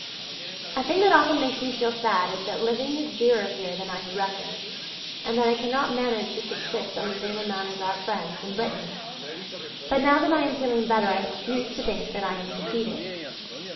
A thing that often makes me feel sad is that living is dearer here than I had reckoned, and that I cannot manage to subsist on the same amount as our friends in Brittany. But now that I am feeling better I refuse to think that I am defeated.